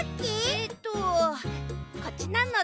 えっとこっちなのだ。